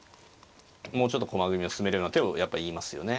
もうちょっと駒組みを進めるような手をやっぱ言いますよね。